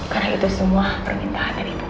karena itu semua permintaan dari ibu kamu